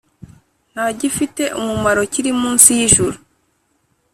nta gifite umumaro kiri munsi y’ijuru